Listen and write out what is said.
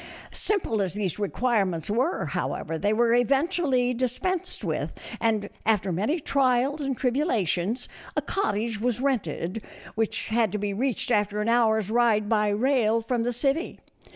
Simple as these requirements were, however, they were eventually dispensed with, and, after many trials and tribulations, a cottage was rented, which had to be reached after an hour's ride by rail from the city.